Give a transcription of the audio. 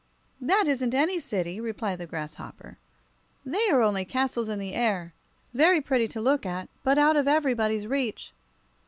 "That isn't any city," replied the grasshopper. "They are only Castles in the Air very pretty to look at, but out of everybody's reach.